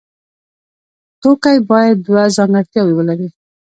توکی باید دوه ځانګړتیاوې ولري.